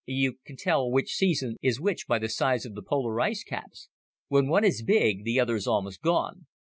"You can tell which season is which by the size of the polar ice caps. When one is big, the other is almost gone.